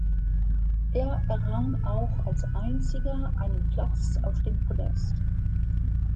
Er errang auch als einziger einen Platz auf dem Podest.